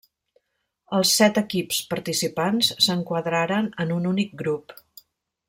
Els set equips participants s'enquadraren en un únic grup.